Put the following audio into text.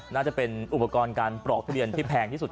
น่าจะเป็นอุปกรณ์การปลอกทุเรียนที่แพงที่สุด